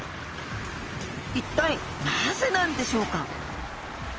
一体なぜなんでしょうか？